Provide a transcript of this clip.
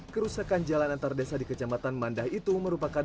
kerusakan jalan antardesa di kecamatan mandah itu merupakan